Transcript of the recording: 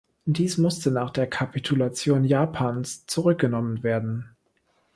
Dies musste nach der Kapitulation Japans zurückgenommen werden.